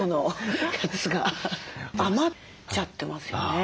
余っちゃってますよね。